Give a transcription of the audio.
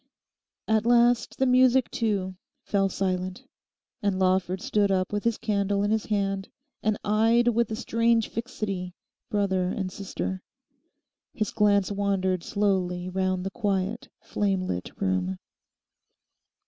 At last the music, too, fell silent, and Lawford stood up with his candle in his hand and eyed with a strange fixity brother and sister. His glance wandered slowly round the quiet flame lit room.